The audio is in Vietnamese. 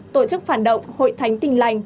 tổ chức phản động hội thánh tình lành